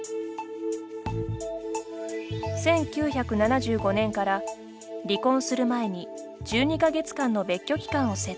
１９７５年から、離婚する前に１２か月間の別居期間を設定。